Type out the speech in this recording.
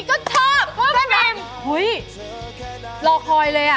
โอ้โหโหรคอยเลยอะ